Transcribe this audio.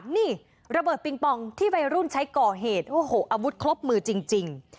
นี่ระเบิดปิงปองที่วัยรุ่นใช้ก่อเหตุโอ้โหอาวุธครบมือจริง